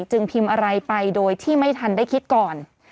จึงพิมพ์อะไรไปโดยที่ไม่ทันได้คิดก่อน